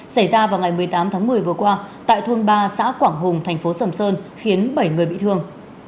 xảy ra vào ngày một mươi tám tháng một mươi vừa qua tại thôn ba xã quảng hùng thành phố sầm sơn khiến bảy người bị thương